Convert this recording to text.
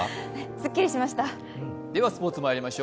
すっきりしました。